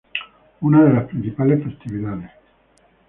Una de las principales festividades